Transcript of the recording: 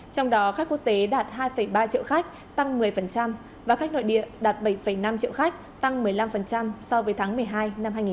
trong đó khách quốc tế đạt hai ba triệu khách tăng một mươi và khách nội địa đạt bảy năm triệu khách tăng một mươi năm so với tháng một mươi hai năm hai nghìn một mươi chín